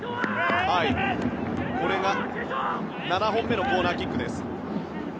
これが７本目のコーナーキックです。